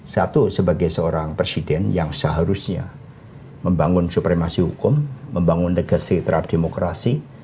satu sebagai seorang presiden yang seharusnya membangun supremasi hukum membangun legasi terhadap demokrasi